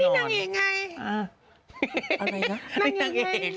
ก็นี่นางเอกไง